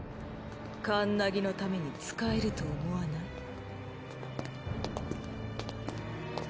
カンナギのために使えると思わない？